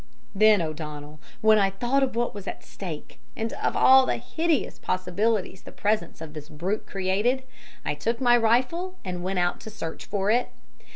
"Then, O'Donnell, when I thought of what was at stake, and of all the hideous possibilities the presence of this brute created, I took my rifle and went out to search for it.